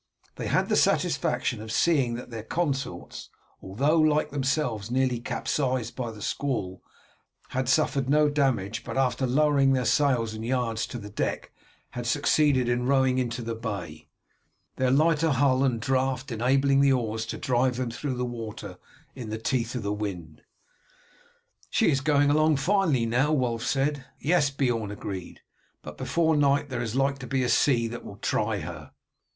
They had had the satisfaction of seeing that their consorts, although like themselves nearly capsized by the squall, had suffered no damage, but after lowering their sails and yards to the deck, had succeeded in rowing into the bay, their lighter hull and draught enabling the oars to drive them through the water in the teeth of the wind. "She is going along finely now," Wulf said. "Yes," Beorn agreed; "but before night there is like to be a sea that will try her."